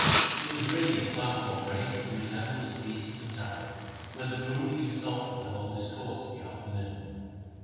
It was really a platform raised to resemble a species of tower, where the Guru used often to hold his court in the afternoon.